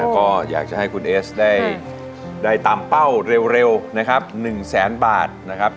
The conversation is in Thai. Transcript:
ก็อยากจะให้คุณเอสได้ตามเป้าเร็วนะครับ๑แสนบาทนะครับ